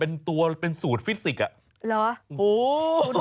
เป็นตัวเป็นสูตรฟิสิกส์